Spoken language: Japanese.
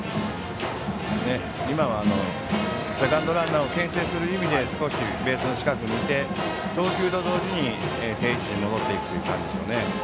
今はセカンドランナーをけん制する意味で少しベースの近くにいて投球と同時に定位置に戻っていく感じですね。